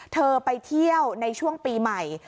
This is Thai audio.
เธอไปเที่ยวในช่วงปีใหม่